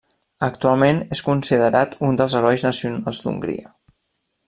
Actualment és considerat un dels herois nacionals d'Hongria.